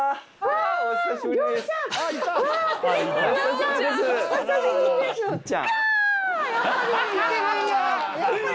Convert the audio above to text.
お久しぶりです。